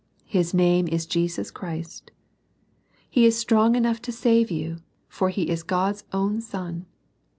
His name is Jesus Christ. He is strong enough to save you, for He is God's own Son.